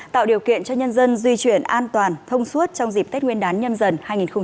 tạo điều kiện cho nhân dân di chuyển an toàn thông suốt trong dịp tết nguyên đán nhâm dần hai nghìn hai mươi bốn